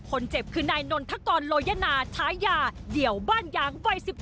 คนเจ็บคือนายนนทกรโลยนาชายาเดี่ยวบ้านยางวัย๑๔